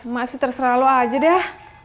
mak sih terserah lo aja deh